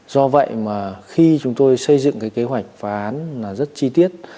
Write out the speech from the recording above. do vậy mà khi chúng tôi xây dựng cái kế hoạch phá án là rất chi tiết